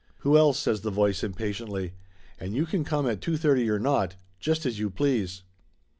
"Who else?" says the voice impatiently. "And you can come at 2 : 30 or not, just as you please."